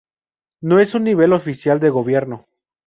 No es un nivel oficial de gobierno.